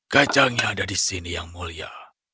kacangnya ada di sini yang mulia